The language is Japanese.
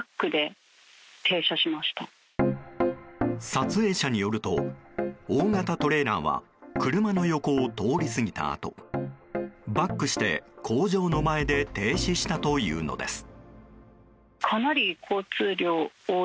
撮影者によると大型トレーラーは車の横を通り過ぎたあとバックして工場の前で停止したというのです。